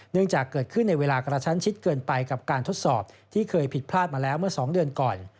จากเกิดขึ้นในเวลากระชั้นชิดเกินไปกับการทดสอบที่เคยผิดพลาดมาแล้วเมื่อ๒เดือนก่อน